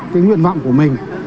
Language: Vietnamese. cái nguyện vọng của mình